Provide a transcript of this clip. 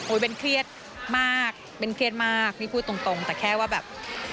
โอ้ยเป็นเครียดมากนี่พูดตรงแต่แค่ว่าแบบ